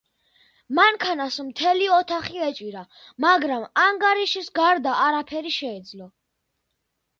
მანქანას მთელი ოთახი ეჭირა, მაგრამ ანგარიშის გარდა არაფერი შეეძლო